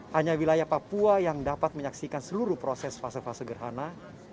hanya wilayah papua yang dapat menyaksikan seluruh proses fase fase gerhana